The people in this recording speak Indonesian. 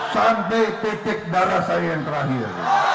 sampai titik darah saya yang terakhir